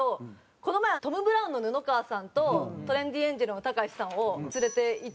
この前トム・ブラウンの布川さんとトレンディエンジェルのたかしさんを連れていったんですけどそこに。